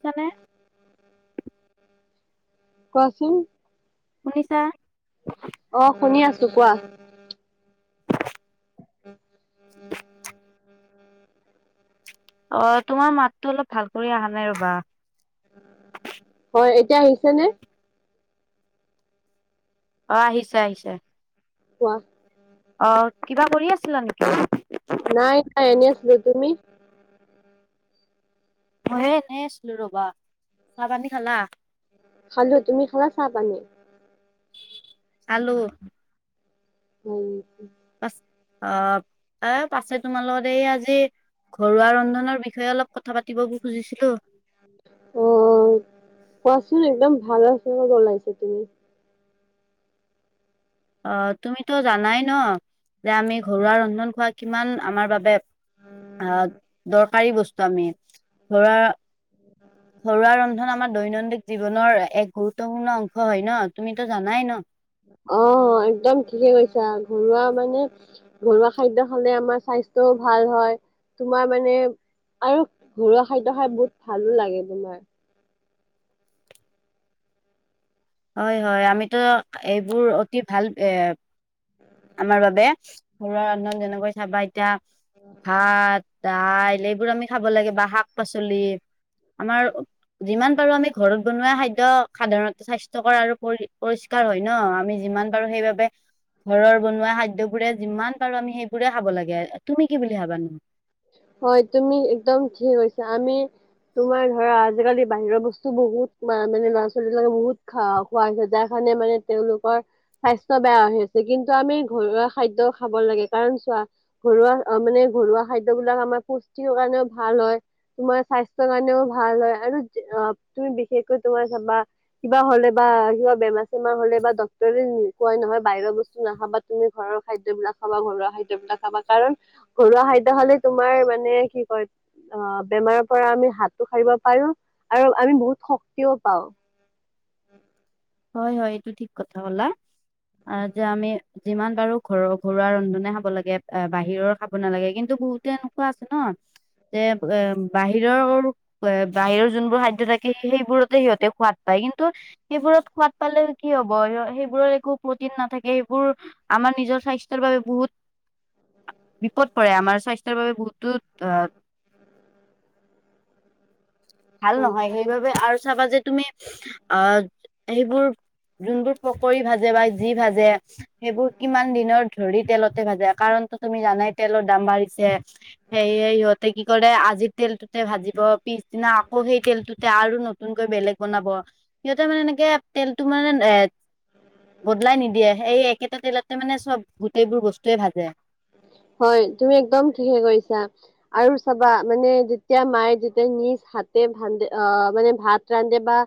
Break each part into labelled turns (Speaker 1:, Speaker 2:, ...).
Speaker 1: সোনিচানে
Speaker 2: কোৱাচোন?
Speaker 1: শুনিছা?
Speaker 2: অ [inaudible] কোৱা।
Speaker 1: অ', তোমাৰ মাততো অলপ ভাল কৰি আহা নাই ৰ'বা।
Speaker 2: অ', এতিয়া আহিছেনে?
Speaker 1: অ', আহিছে, আহিছে।
Speaker 2: কোৱা।
Speaker 1: অ', কিবা কৰি আছিলা নিকি?
Speaker 2: নাই, নাই এনেই আছিলোঁ, তুমি?
Speaker 1: ময়ো এনেই আছিলো ৰ'বা। চাহ, পানী খালা?
Speaker 2: খালোঁ, তুমি খালা চা, পানী?
Speaker 1: আলু
Speaker 2: হয় নেকি
Speaker 1: [unintelligible] অ', এ, পাছে তোমাৰ লগত এইয়া আজি ঘৰুৱা ৰন্ধনৰ বিষয়ে অলপ কথা পাতিব খুজিছিলোঁ।
Speaker 2: অ [unintelligible] তুমি।
Speaker 1: অ তুমিতো জানাই ন? যে, আমি ঘৰুৱা ৰন্ধন খোৱা কিমান আমাৰ বাবে আহ দৰকাৰী বস্তু আমি ধৰা ঘৰুৱা ৰন্ধন আমাৰ দৈনন্দিন জীৱনৰ এক গুৰুত্বপূৰ্ণ অংশ হয়, ন' তুমিতো জানাই ন?
Speaker 2: অ' অ', একদম ঠিকে কৈছা ঘৰুৱা মানে, ঘৰুৱা খাদ্য খালে আমাৰ স্বাস্থ্যয়ো ভাল হয়। তোমাৰ মানে আৰু ঘৰুৱা খাদ্য খাই বহুত ভালো লাগে তোমাৰ।
Speaker 1: হয় হয় আমিতো এইবোৰ অতি ভাল এ আমাৰ বাবে ঘৰুৱা ৰন্ধজন যেনেকৈ চাবা এতিয়া ভাত, দাইল, এইবোৰ আমি খাব লাগে বা শাক পাচলি। আমাৰ যিমান পাৰো আমি ঘৰত বনোৱা খাদ্যয় সাধাৰণতে স্বাস্থ্যকৰ আৰু পৰি পৰিষ্কাৰ হয় ন, আমি যিমান পাৰো সেইবাবে ঘৰৰ বনোৱা খাদ্যবোৰে যিমান পাৰো আমি সেইবোৰে খাব লাগে। তুমি কি বুলি ভাবা ন?
Speaker 2: হয় তুমি একদম ঠিকেই কৈছা, আমি তোমাৰ ধৰা আজিকালি বাহিৰৰ বস্তু বহুত মানে ল'ৰা ছোৱালী বিলাকে বহুত খা খোৱা হৈছে যাৰ খ মানে তেওঁলোকৰ স্বাস্থ্য বেয়া হৈছে কিন্তু আমি ঘৰুৱা খাদ্য খাব লাগে কাৰণ ঘৰুৱা মানে ঘৰুৱা খাদ্য [unintelligible] কাৰণেও ভাল হয়, তোমাৰ স্বাস্থ্যৰ কাৰণেও ভাল হয় আৰু বিশেষকৈ তোমাৰ চাবা কিবা হলে বা কিবা বেমাৰ চেমাৰ হলে বা ডক্তৰে ক'য় নহয় বাহিৰৰ বস্তু নাখাবা তুমি ঘৰত খাদ্যবিলাক খাবা ঘৰুৱা খাদ্যবিলাক খাবা কাৰণ ঘৰুৱা খাদ্য হ'লে তোমাৰ মানে কি কয় অ' বেমাৰৰ পৰা আমি হাতটো সাৰিব পাৰো আৰু আমি বহুত শক্তিও পাওঁ
Speaker 1: হয় হয় এইটো ঠিক কথা ক'লা। অ' যে আমি যিমান পাৰো ঘৰৰ ঘৰুৱা ৰন্ধনে খাব লাগে বাহিৰৰ খাব নালাগে। কিন্তু বহুতে এনেকুৱা আছে ন যে এ বাহিৰৰ বাহিৰৰ যোনবোৰ খাদ্য থাকে সেইবোৰতে সিহঁতে সোৱাদ পা কিন্তু সেইবোৰত সোৱাদ পালেও কি হব সেইবোৰৰ একো প্ৰটিন নাথাকে সেইবোৰ আমাৰ নিজৰ স্বাস্থ্যৰ বাবে বহুত বিপদ পৰে আমাৰ স্বাস্থ্যৰ বাবে বহুতো ভাল নহয়
Speaker 2: পাওঁ।
Speaker 1: সেইবাবে আৰু চাবা যে তুমি অ', সেইবোৰ যোনবোৰ পকৰি ভাজে বা যি ভাজে। সেইবোৰ কিমান দিনৰ ধৰি তেলত তাতে ভাজে, কাৰণটো তুমি জানাই তেলৰ দাম বাঢ়িছে, সেয়েহে, সিহঁতে কি কৰে, আজিৰ তেলটো -তে ভাজিব পিছ। -দিনা আকৌ সেই তেলটোতে আৰু নতুনকৈ বেলেগ বনাব, সিহঁতে মানে এনেকে তেলটো মানে এ। বদলাই নিদিয়ে, সেই একেটা তেলতে মানে সব গোটেইবোৰ বস্তুৱে ভাজে। [inaudible]
Speaker 2: হয়, তুমি একদম ঠিকে কৈছা আৰু চাবা মানে যেতিয়া মায়ে যেতিয়া নিজ হাতে। [unintelligible] অহ', মানে ভাত ৰান্ধে বা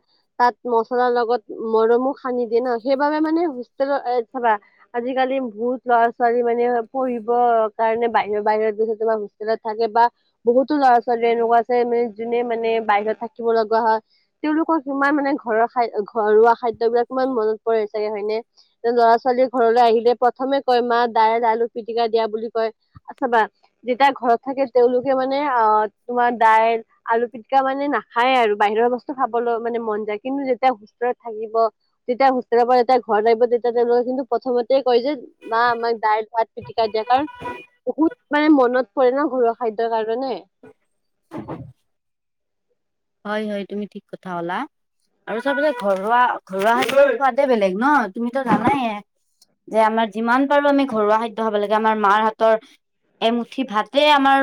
Speaker 2: তাত মছলাৰ লগত মৰমো সানি দিয়ে ন, সেই সেইবাবে মানে হোষ্টেলৰ এই চাবা, আজিকালি বহুত ল'ৰা-ছোৱালী মানে পঢ়িব কাৰণে বাহিৰ, বাহিৰত গৈ থাকিলে হোষ্টেলত থাকে বা বহুতো ল'ৰা-ছোৱালী এনেকুৱা আছে মানে। [unintelligible] -নে মানে বাহিৰত থাকিব লগা হয়, তেওঁলোকক কিমান মানে ঘৰৰ খাই, ঘৰুৱা খাদ্যবলাক ইমান। মনত পৰে চাগে হয়নে? এই ল'ৰা-ছোৱালী ঘৰলৈ আহিলে প্ৰথমে কয়, মা দাইল, আলু পিতি। [unintelligible] দিয়া বুলি কয়। অথবা যেতিয়া ঘৰত থাকে তেওঁলোকে মানে অহ তোমাৰ দাইল। আলু পিটিকা মানে নাখায় আৰু বাহিৰৰ বস্তু খাবলৈ মানে মন যায়, কিন্তু যেতিয়া হোষ্টেলত থাকিব। তেতিয়া হোষ্টেলৰ পৰা যেতিয়া ঘৰলৈ আহিব, তেতিয়া তেওঁলোকে কিন্তু প্ৰথমতে কয় যে মা আমাক দাইল-ভাত। পিটিকা দিয়া, কাৰণ বহুত মানে মনত পৰে ন ঘৰুৱা খাদ্যৰ কাৰণে।
Speaker 1: হয়, হয়, তুমি ঠিক কথা ক'লা। আৰু সবৰে ঘৰুৱা, ঘৰুৱা খাদ্যৰ সোৱাদে বেলেগ নহ তুমিতো জানাইয়ে। যে আমাৰ যিমান পাৰো আমি ঘৰুৱা খাদ্য খাব লাগে, আমাৰ মাৰ হাতৰ এমুঠি ভাতে আমাৰ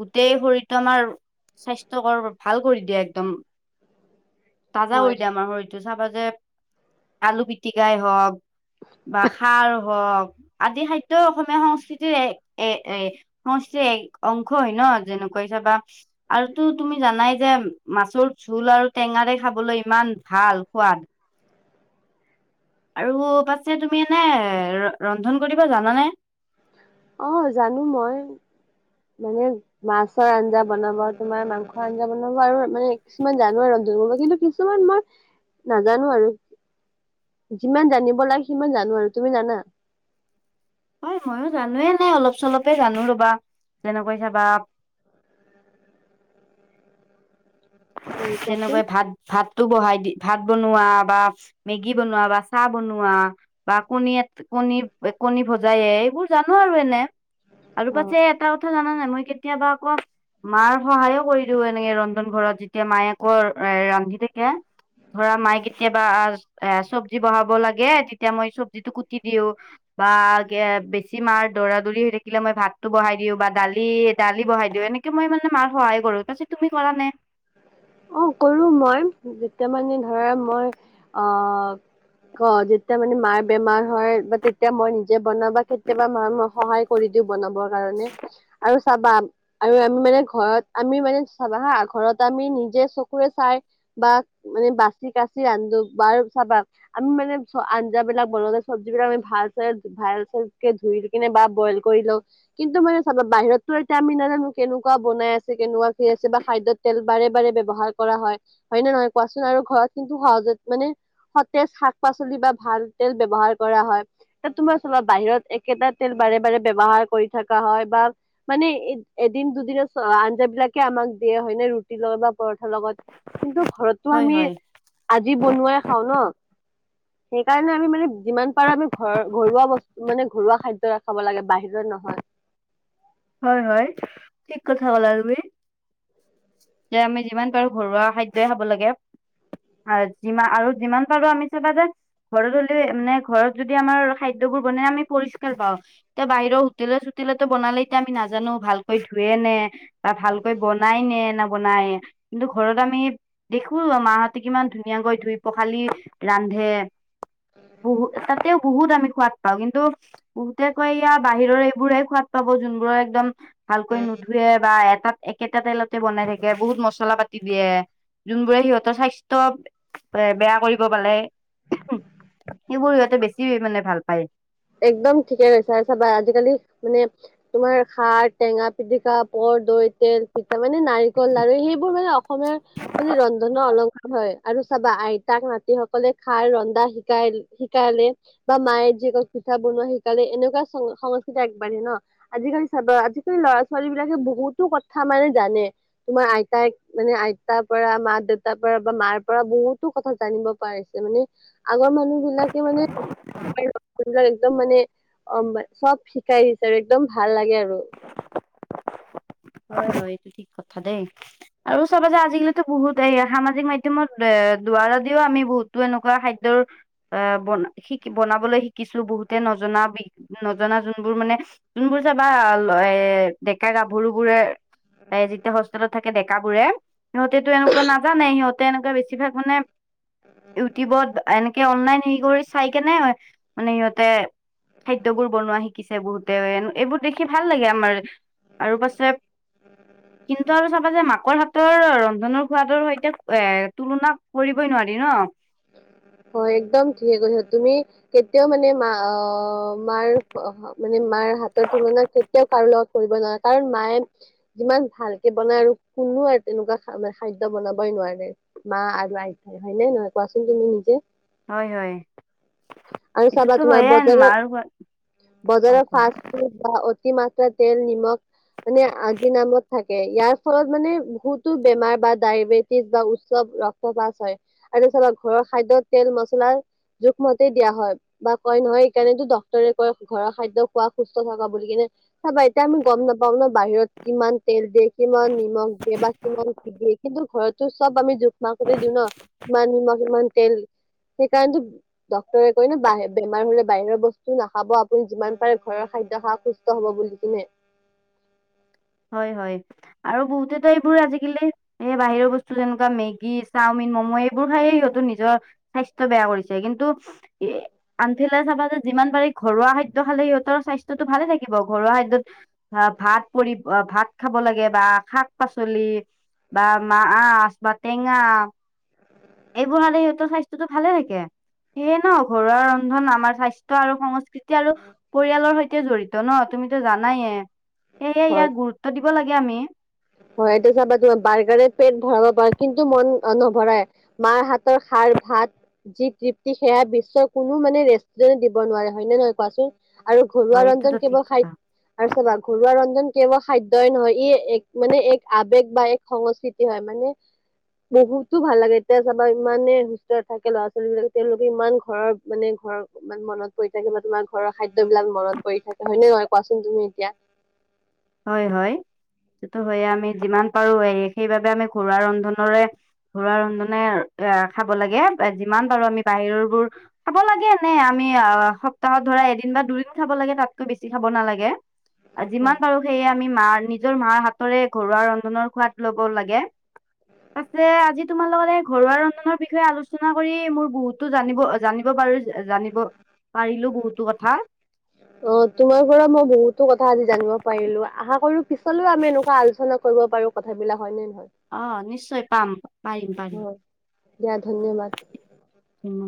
Speaker 1: গোটেই শৰীৰটো আমাৰ স্বাস। স্বাস্থ্য ভাল কৰি দিয়ে একদম, তাজা কৰি
Speaker 2: হয়
Speaker 1: দিয়ে আমাৰ শৰীৰটো, চাবা যে। আলু পিটিকাই হওঁক, বা খাৰ হওঁক। আদি খাদ্য অসমীয়া সংস্কৃতিৰ এ এ সংস্কৃতিৰ এক অংশ হয় নহ, যেনেকুৱা। কৰিছে বা আৰু। -টো তুমি জানাই যে মাছৰ জোল আৰু টেঙাৰে খাবলৈ ইমান ভাল সোৱাদ। আৰু, পাছে তুমি এনেই, ৰ-ৰন্ধন কৰিবা জানানে?
Speaker 2: অ', জানো মই। মানে মাছৰ আঞ্জা বনাব, তোমাৰ মাংসৰ আঞ্জা বনাব আৰু মানে কিছুমান জানো আৰু। [unintelligible] কিন্তু কিছুমান মই নাজানো আৰু। যিমান জানিব লাগে, সিমান জানো আৰু। তুমি জানা?
Speaker 1: মই মইও জানো অলপ-চলপে জানো ৰ'বা, যেনেকৈ চাবা। [inaudible]
Speaker 2: হয় কোৱাচোন
Speaker 1: তেনেকৈ ভাত, ভাতটো বহাই। -দি ভাত বনোৱা বা মেগী বনোৱা বা চাহ বনোৱা। বা কণী এটা, কণী, কণী ভজায়ে এইবোৰ জানো আৰু এনে। আৰু
Speaker 2: অ
Speaker 1: পাছে এটা কথা জানানে নাই, মই কেতিয়াবা আকৌ মাৰ সহায়ো কৰি। দিওঁ, এনেকে ৰন্ধন ঘৰত যেতিয়া মায়ে অকলে ৰান্ধি থাকে। ধৰা, মা'ই কেতিয়াবা এ চব্জি বহাব লাগে,, তেতিয়া মই চব্জিটো কুটি দিও। বা আগে বেছি মাৰ দৌৰা-দৌৰি হৈ থাকিলে মই ভাতটো বহাই দিওঁ বা দালি, দালি বহাই দিওঁ এনেকে মই মানে মাক সহায় কৰোঁ, তাৰপিছত তুমি কৰা নে?
Speaker 2: অ', কৰোঁ মই, যেতিয়া মানে ধৰা মই অহ। [unintelligible] যেতিয়া মানে মাৰ বেমাৰ হয়, বা তেতিয়া মই নি -জে বনাবা কেতিয়াবা মাক মই সহায় কৰি দিওঁ বনাবৰ কাৰণে আৰু। চাবা, আৰু আমি মানে ঘৰত আমি মানে চাবা হা, ঘৰত আমি নিজে চকুৰে চাই বা মানে বাচি কাচি ৰান্ধো বা চাবা, আমি মানে চোৱা আঞ্জাবিলাক বনাওঁতে চব্জিবিলাক আমি ভালচে ভালকৈ ধুই কিনে। বইল কৰি লওঁ, কিন্তু মানে চাবা, বাহিৰততো এতিয়া আমি নাজানো কেনেকুৱা বনাই আছে কেনেকুৱা শুই আছে বা খাদ্যত তেল বাৰে-বাৰে ব্যৱহাৰ কৰা হয়, হয় নে নহয় কোৱাচোন আৰু ঘৰত কিন্তু সহজত মানে সতেজ শাক-পাচলি বা ভাল তেল ব্যৱহাৰ কৰা হয়, এই তোমাৰ চাবা, বাহিৰত একেটা তেল। বাৰে বাৰে ব্যৱহাৰ কৰি থকা হয় বা মানে এদিন দুদিনৰ চ আঞ্জা বিলাক আমাক দিয়া হয় নে ৰুটিৰ লগত বা পৰঠা লগত কিন্তু ঘৰতো
Speaker 1: হয়
Speaker 2: আমি
Speaker 1: হয়
Speaker 2: আজি বনোৱাই খাওঁ ন সেইকাৰণে আমি মানে যিমান পাৰো আমি ঘৰ ঘৰুৱা বস্তু মানে ঘৰুৱা খাদ্যয় খাব লাগে বাহিৰত নহয়। হয়।
Speaker 1: হয় হয় ঠিক কথা কলা তুমি যে আমি যিমান পাৰো ঘৰুৱা খাদ্যই খাব লাগে আৰু যিমান আৰু যিমান পাৰো আমি চাবা যে ঘৰত হ'লেও মানে ঘৰত যদি আমাৰ খাদ্যয়বোৰ বনাই আমি পৰিস্কাৰ পাওঁ এতিয়া বাহিৰৰ হোটেলৰ হোটেলতো বনালে এতিয়া আমি নাজানো ভালকৈ ধুৱে নে বা ভালকৈ বনাই নবনায় কিন্তু ঘৰত আমি দেখো মাহঁতে কিমান ধু ধুনীয়াকৈ ধুই পখালি ৰান্ধে বহু তাতেও বহুত আমি সোৱাদ পাওঁ কিন্তু বহুতে কয় ইয়া বাহিৰৰ এইবোৰেহ সোৱাদ পাব যোনবোৰৰ একদম ভালকৈ নোধোৱে বা এটাত একেটা তেলত থাকে বহুত মছলা পাতি দিয়ে যোনবোৰে সিহঁতৰ স্বাস্থ্য এ বেয়া কৰিব পালে সেইবোৰ সিহঁতে বেছি মানে ভাল পায়
Speaker 2: একদম ঠিকে গৈছ আৰু চাবা আজিকালি মানে তোমাৰ সাৰ টেঙা পিটিকা পৰ দৈত তেল পিঠা মানে নাৰিকল লাৰু সেইবোৰ মানে অসমীয়াাৰ মানে ৰন্ধনৰ অলংকাৰ হয় আৰু চাবা আইতাক মাতি সকলে খাই ৰন্ধা শিকাই-শিকাইালে বা মায়ে যি ক পিঠা বনোৱা শিকালে এনেকুৱা সংস্কৃতি আগবাঢ়ে ন আজিকালি চাবা আজিকালি ল'ৰা ছোৱালী বিলাকে বুত বহুতো কথা মানে জানে তোমাৰ আইতাই মানে আইতাৰ পৰা মা দেউতাৰ পৰা বা মাৰ পৰা বহুতো কথা জানিব পাৰিছে মানে আগৰ মানুহ বিলাকে মানে [unintelligible] কোনবাক একদম মানে অ, চব শিকাই দিছে আৰু একদম ভাল লাগে আৰু।
Speaker 1: হয় - হয় এইটো ঠিক কথা দেই আৰু চব আছে আজিকালিতো বহুত এই সামাজিক মাধ্যমত দুৱাৰদিও আমি বহুতো এনেকুৱা খাদ্যৰ বনাবলৈ শিকিছো বহুতে নজনা বি নজনা যোনবোৰ মানে যোনবোৰ চাবা এ ডেকা গাভৰু বোৰে ত যেতিয়া হোষ্টেলত থাকে ডেকা বোৰে সিহঁতেতো এনেকুৱা নাজানে সিহঁতে এনেকা বেছিভাগ মানে ইউটিবত অলাইন হে কৰি চাই কেনে মানে সিহঁতে খাদ্যবোৰ বনোৱা শিকিছে বহুতে, এইবোৰ দেখি ভাল লাগে আমাৰ। আৰু পাছে কিন্তু আৰু চাবা যে মাকৰ হাত ৰ ৰন্ধনৰ খোৱাদৰ সৈতে এ তুলনা কৰিবই নোৱাৰি ন।
Speaker 2: হয় একদম ঠিকে কৈছা তুমি কেতিয়াও মানে মা অ' মাৰ মানে মাৰ হাতৰ তুলনা কেতিয়াও কাৰো লগ ন কাৰণ মায়ে যিমান ভালকে বনায় আৰু কোনো আৰু তেনেকুৱানে খাদ্য বনাব নোৱাৰে মা আৰু আইঠাই হয় নাই নহয় কোৱাচোন তুমি নিজে।
Speaker 1: হয় হয়।
Speaker 2: আৰু চাবা
Speaker 1: এইটোতো
Speaker 2: তোমাৰ
Speaker 1: হয়ে
Speaker 2: বজাৰৰ
Speaker 1: মাৰ সোৱাদ অ
Speaker 2: বজাৰৰ
Speaker 1: কোৱা
Speaker 2: ফাষ্ট ফুড বা অতিমাত্ৰা তেল নিমখ মানে আজি নামত থাকে ইয়াৰ ফলত মানে বহুতো বেমাৰ বা ডায়েবেটিজ বা উচ্চৱ ৰক্তবাছ হয়। আৰু তছা ঘৰৰ খাদ্যত তেল মচলা জোখমতেই দিয়া হয় বা কয় নহয় সেইকাৰণো ডক্তৰে ঘৰৰ খাদ্য খোৱা সুস্থ থকা বুলি কিনে চা এতিয়া আমি গম নাপাও ন। বাহিৰত কিমান তেল দিয়ে, কিমান নিমখ দিয়ে বা কিমান কি দিয়ে কিন্তু ঘৰতো চব আমি মাক ত দিও ন ইমান নিমখ ইমান তেল। সেইকাৰণতো ডক্তৰে কয় ন বাহিৰত বেমাৰ হ'লে বাহিৰৰ বস্তু নাখাব। আপুনি যিমান পাৰে ঘৰৰ খাদ্য খা সুস্থ হ'ব বুলি কিনে
Speaker 1: [inaudible] হয় হয় আৰু বহুতেতো এইবোৰ আজিকালি এই বাহিৰৰ বস্তু যেনেকুৱা মেগী, চাওমিন মম' এইবোৰ খায়ে সিহঁতো নিজৰ স্বাস্থ্য বেয়া কৰিছে কিন্তু এ আনফালে চাবা যে যিমান পাৰি ঘৰুৱা খাদ্য খালে সিহঁতৰ স্বাস্থ্যটো ভালে থাকিব ঘৰুৱা খাদ্যত অ' ভাত পৰি ভাত খাব লাগে বা শাক পাচলি বা মাছ, অ' বা টেঙা এইবোৰ খালে সিহঁতৰ স্বাস্থ্যতটো ভালে থাকে। সেয়ে ন ঘৰুৱা ৰন্ধন আমাৰ স্বাস্থ্য আৰু সংস্কৃতিৰ তেতিয়া আৰু পৰিয়ালৰ সৈতে জড়িত ন তুমিতো জানায়ে সে
Speaker 2: হয়
Speaker 1: ইয়াক গুৰুত্ব দিব লাগে। আমি
Speaker 2: হয় এইটো চাবা তোমাৰ বাৰ্গাৰে পেট ভৰাব পাৰ, কিন্তু মন নভৰাই, মাৰ হাতৰ খাৰ ভাত যি তৃপ্তি সেয়া বিশ্বৰ কোনো মানে ৰেষ্টুৰেণ্ট দিব নোৱাৰে হয় নে নহয় কোৱাচোন। আৰু ঘৰুৱা
Speaker 1: হয় এইটোতো
Speaker 2: ৰন্ধন
Speaker 1: ঠিক
Speaker 2: কেৱল
Speaker 1: কথা
Speaker 2: খাদ্য আৰু চাবা ঘৰুৱা ৰন্ধন কেৱল খাদ্যই নহয় ই এক মানে এক আবেগ বা এক সংস্কৃতি হয় মানে। বহুতো ভাল লাগে, এতিয়া চাবা ইমানে সুস্থ থাকে ল'ৰা ছোৱালী বিলাকে তেওঁলোকে ইমান ঘৰৰ মানে ঘৰ মনত পৰি থাকে বা তোমাৰ ঘৰৰ খাদ্যবিলাক মনত পৰি থাকে, হয় নে নহয় কোৱাচোন তুমি এতিয়া।
Speaker 1: [inaudible] হয় হয়, সেইটো হয়য়ে আমি যিমান পাৰো সেইবাবে আমি ঘৰুৱা ৰন্ধনৰে ঘৰুৱা ৰন্ধনে এ খাব লাগে যিমান পাৰো আমি বাহিৰৰ বোৰ খাব লাগে নে আমি সপ্তাহত ধৰা এদিন বা দুদিন খাব লাগে তাতকৈ বেছি খাব নালাগে। আজিমানা আমি মাৰ নিজৰ মাৰ হাততেৰে ঘৰুৱা ৰন্ধনৰ সোৱাদ লব লাগে। পিছে আজি তোমাৰ লগতে ঘৰুৱা ৰন্ধনৰ বিষয়ে আলোচনা কৰি মোৰ বহুতো জানিব জানিব পাৰো জানিব পাৰিলো বহুতো কথা।
Speaker 2: অ' তোমাৰ পৰা মই বহুতো কথা আজি জানিব পাৰিলো। আশা কৰো পিছলৈও আমি এনেুৱা আলোচনা কৰিব পাৰো কথাবিলাক। হয় নে?
Speaker 1: অ' নিশ্চয় পাম পাৰিম পাৰিম।
Speaker 2: নহয় দিয়া ধন্যবাদ।
Speaker 1: ধন্যবাদ